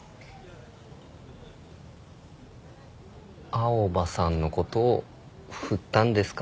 青羽さんのことを振ったんですか？